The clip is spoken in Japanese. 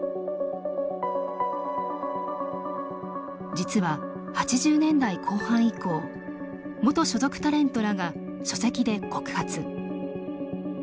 実は、８０年代後半以降元所属タレントらが書籍で告発。